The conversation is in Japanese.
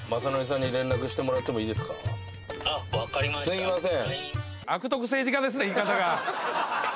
すいません。